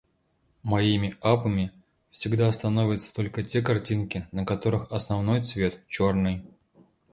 Моими авами всегда становятся только те картинки, на которых основной цвет — чёрный.